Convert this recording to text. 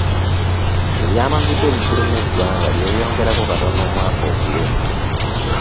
Ebyamaguzi ebifuluma eggwanga byeyongerako katono omwaka oguwedde.